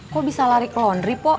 kok bisa lari ke laundry pop